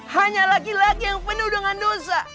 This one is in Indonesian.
hanya laki laki yang penuh dengan dosa